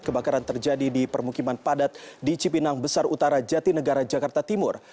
kebakaran terjadi di permukiman padat di cipinang besar utara jatinegara jakarta timur